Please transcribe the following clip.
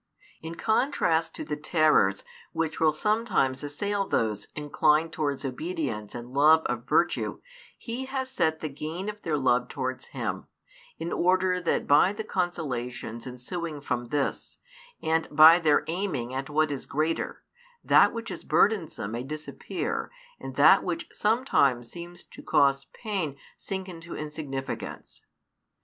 In contrast to the terrors which will sometimes assail those inclined towards obedience and love of virtue He has set the gain of their love towards Him, in order that by the consolations ensuing from this, and by their aiming at what is greater, that which is burdensome may disappear and that which sometimes seems to cause pain sink into insignificance.